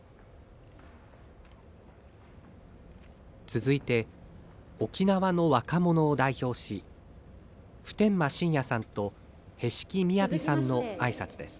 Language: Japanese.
続いて、沖縄の若者を代表し普天間真也さんと平敷雅さんの挨拶です。